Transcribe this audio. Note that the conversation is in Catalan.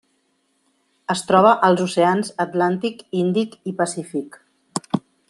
Es troba als oceans Atlàntic, Índic i Pacífic.